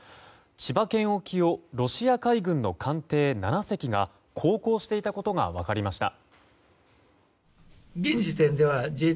千葉県沖をロシア海軍の艦艇７隻が航行していたことが分かりました。